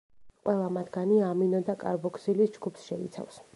ყველა მათგანი ამინო და კარბოქსილის ჯგუფს შეიცავს.